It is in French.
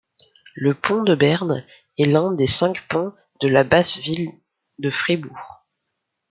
Le pont de Berne est l'un des cinq ponts de la Basse-Ville de Fribourg.